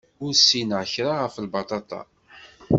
Ur ssineɣ kra ɣef lbaṭaṭa.